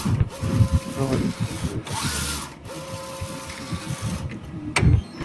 Roba la espada de Don Patch y se fusiona con ella en un sushi.